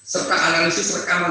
serta analisis rekaman